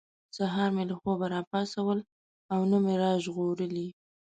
سهار مې له خوبه را پاڅول او نه مې را ژغورلي.